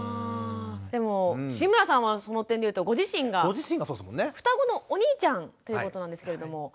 でも志村さんはその点で言うとご自身がふたごのお兄ちゃんということなんですけれども。